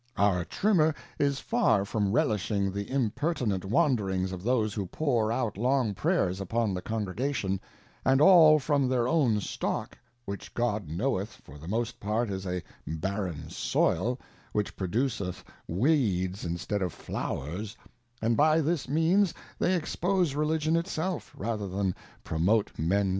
Our Trimmer is far from relishing the impertinent wandrings of those who pour out long Prayers upon the Congregation, and all from their own Stock, which God knoweth,,for the most part is a barren Soil, which produceth weeds instead of Flowers, and by this means they expose Religion it self, rather than promote of a Trimmer.